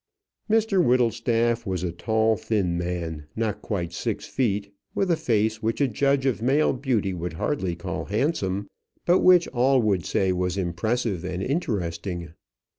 Mr Whittlestaff was a tall, thin man, not quite six feet, with a face which a judge of male beauty would hardly call handsome, but which all would say was impressive and interesting.